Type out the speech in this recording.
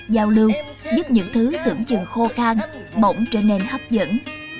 giao lưu giúp những thứ tưởng chừng khô khang bỗng trở nên hấp dẫn